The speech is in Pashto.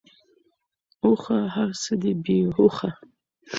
اوښه ! هرڅه دی بی هوښه .